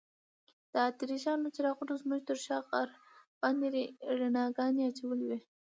د اتریشیانو څراغونو زموږ تر شا غر باندې رڼاګانې اچولي وې.